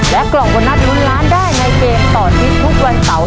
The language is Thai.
และกล่องคนนักยุลร้านได้ในเจมส์ต่อที่ทุกวันเสาร์